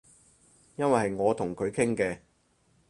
因爲係我同佢傾嘅